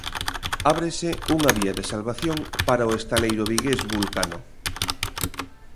Ábrese unha vía de salvación para o estaleiro vigués Vulcano.